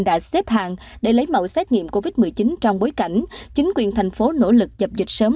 đã xếp hàng để lấy mẫu xét nghiệm covid một mươi chín trong bối cảnh chính quyền thành phố nỗ lực dập dịch sớm